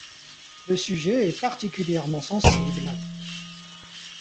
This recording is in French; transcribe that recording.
Le sujet est particulièrement sensible.